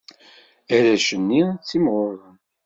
Arrac-nni ttimɣuren.